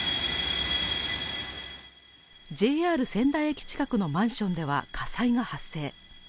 ＪＲ仙台駅近くのマンションでは火災が発生。